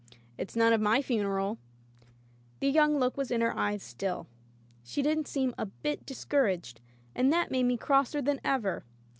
It's none of my funeral/' The young look was in her eyes stilL She didn't seem a bit discouraged. And that made me crosser than ever.